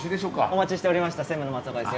お待ちしておりました専務の松岡です。